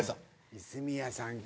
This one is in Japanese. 泉谷さんか。